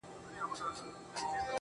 o ته مي کله هېره کړې يې.